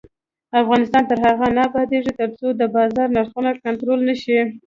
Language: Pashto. افغانستان تر هغو نه ابادیږي، ترڅو د بازار نرخونه کنټرول نشي.